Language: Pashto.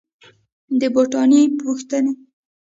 د بوټاني پوښتني